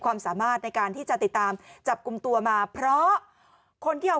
ความสามารถในการที่จะติดตามจับกลุ่มตัวมาเพราะคนที่เอา